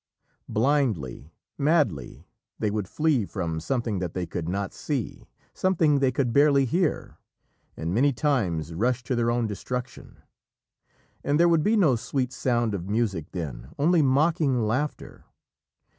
Blindly, madly, they would flee from something that they could not see, something they could barely hear, and many times rush to their own destruction. And there would be no sweet sound of music then, only mocking laughter.